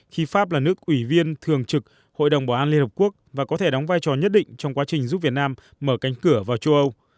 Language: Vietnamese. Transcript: khi pháp là nước ủy viên thường trực hội đồng bảo an liên hợp quốc và có thể đóng vai trò nhất định trong quá trình giúp việt nam mở cánh cửa vào châu âu